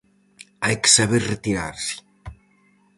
Hai que saber retirarse.